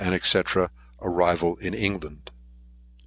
ARRIVAL IN ENGLAND.